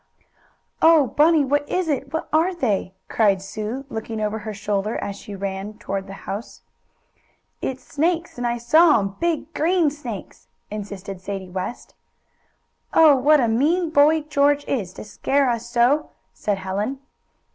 "Oh, Bunny! What is it? What are they?" cried Sue, looking over her shoulder as she ran toward the house. "It's snakes! I saw 'em! Big green snakes," insisted Sadie West. "Oh, what a mean boy George is, to scare us so!" said Helen.